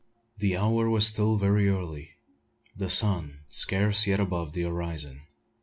The hour was still very early, the sun scarce yet above the horizon.